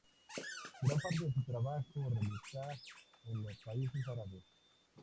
Gran parte de su trabajo lo realiza en los países árabes.